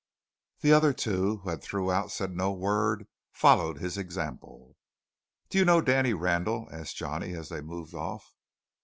The other two, who had throughout said no word, followed his example. "Do you know Danny Randall?" asked Johnny as they moved off.